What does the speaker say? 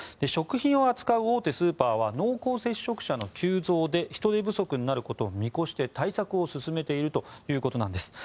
食品を扱う大手スーパーは濃厚接触者の急増で人手不足になることを見越して対策を進めているということです